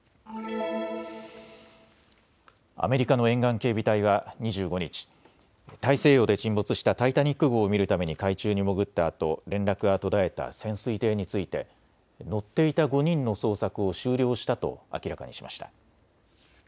アメリカの沿岸警備隊は２５日、大西洋で沈没したタイタニック号を見るために海中に潜ったあと連絡が途絶えた潜水艇について乗っていた５人の捜索を終了したと明らかにしました。